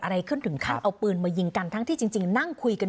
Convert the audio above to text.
อะไรขึ้นถึงขั้นเอาปืนมายิงกันทั้งที่จริงนั่งคุยกัน